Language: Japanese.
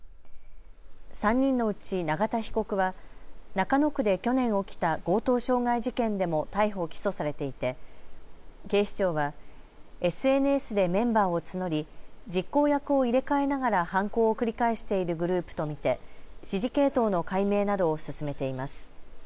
３人のうち永田被告は中野区で去年起きた強盗傷害事件でも逮捕・起訴されていて警視庁はＳＮＳでメンバーを募り実行役を入れ替えながら犯行を繰り返しているグループと見て指示系統の解明などを進めています。